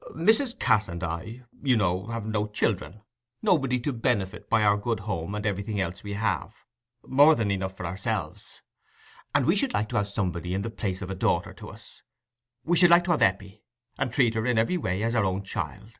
"Mrs. Cass and I, you know, have no children—nobody to benefit by our good home and everything else we have—more than enough for ourselves. And we should like to have somebody in the place of a daughter to us—we should like to have Eppie, and treat her in every way as our own child.